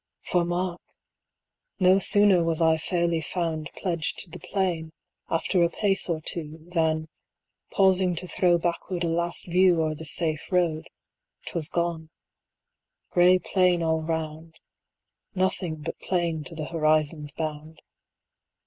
For mark! no sooner was I fairly found Pledged to the plain, after a pace or two, 50 Than, pausing to throw backward a last view O'er the safe road, 'twas gone; gray plain all round: Nothing but plain to the horizon's bound.